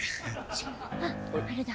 あっあれだ！